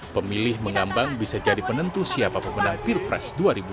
pemilih mengambang bisa jadi penentu siapa pembenah pilpres dua ribu sembilan belas